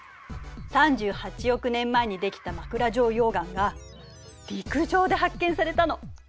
３８億年前にできた枕状溶岩が陸上で発見されたの。